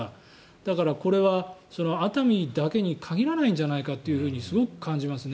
だから、これは熱海だけに限らないんじゃないかとすごく感じますね。